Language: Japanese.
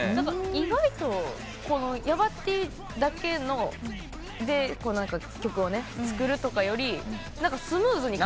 意外とヤバＴだけで曲を作るとかよりスムーズに。